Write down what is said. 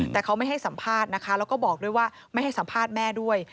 แต่เขาไม่ให้สัมภาษณ์นะคะแล้วก็บอกด้วยว่าไม่ให้สัมภาษณ์แม่ด้วย